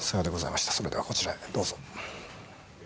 それではこちらへどうぞ。